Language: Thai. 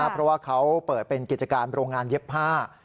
เพราะว่าเขาเปิดเป็นกิจการโรงงานเย็บผ้า